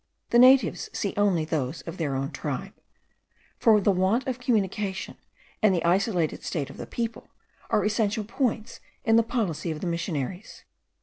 The natives see only those of their own tribe; for the want of communication, and the isolated state of the people, are essential points in the policy of the missionaries.